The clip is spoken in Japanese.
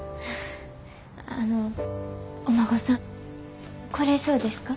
あのお孫さん来れそうですか？